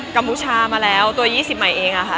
กมชามาแล้วตัว๒๐ใหม่เองค่ะ